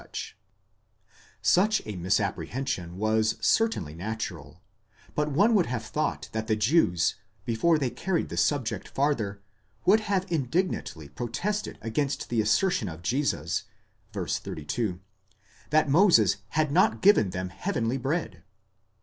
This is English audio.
Such a misapprehension was certainly natural; but one would have thought that the Jews, before they carried the subject farther, would have indignantly protested against the assertion of Jesus (ν. 32), that Moses had not given them heavenly bread.